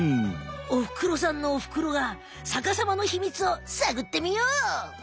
おふくろさんのおふくろがさかさまのヒミツをさぐってみよう！